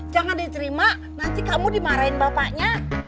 jangan diterima nanti kamu dimarahin bapaknya